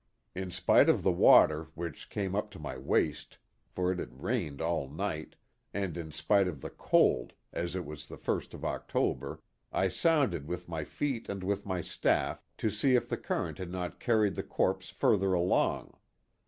In spite of the water, which came up to my waist, for it had rained all night, and in spite of the cold (as it was the first of October), I sounded with my feet and with my staff, to see if the current had not carried the corpse further along.